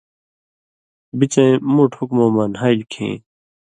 بِڅَیں مُوٹ حُکمؤں مہ نھالیۡ کھیں